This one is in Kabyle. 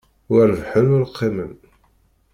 Ur rbiḥen ur qqimen.